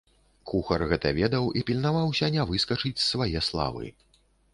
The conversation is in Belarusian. Кухар гэта ведаў і пільнаваўся не выскачыць з свае славы.